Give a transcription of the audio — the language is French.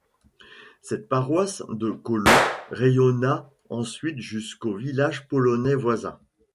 Cette paroisse de colons rayonna ensuite jusqu'aux villages polonais voisins.